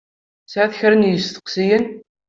Tesεiḍ kra n yisteqsiyen?